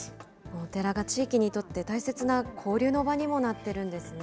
お寺が地域にとって大切な交流の場にもなってるんですね。